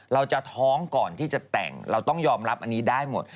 เราจะท้องก่อนที่จะแต่งเราต้องยอมรับอันนี้ได้หมด